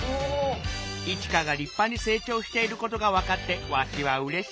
「イチカがりっぱにせい長していることがわかってわしはうれしい！」。